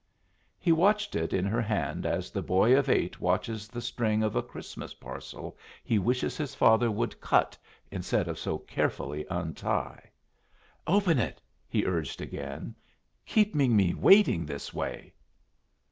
He watched it in her hand as the boy of eight watches the string of a Christmas parcel he wishes his father would cut instead of so carefully untie. "Open it," he urged again. "Keeping me waiting this way!"